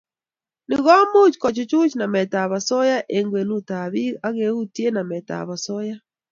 Ni komuch kochuchuch nametab osoya eng kwenutab bik akeutye nametab osoya